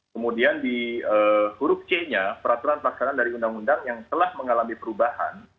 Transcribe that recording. kemudian di huruf c nya peraturan pelaksanaan dari undang undang yang telah mengalami perubahan